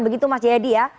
begitu mas jayadi ya